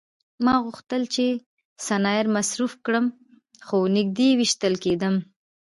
ما غوښتل چې سنایپر مصروف کړم خو نږدې ویشتل کېدم